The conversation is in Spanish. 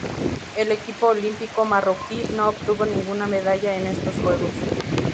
El equipo olímpico marroquí no obtuvo ninguna medalla en estos Juegos.